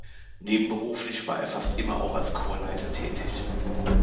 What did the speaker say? Nebenberuflich war er fast immer auch als Chorleiter tätig.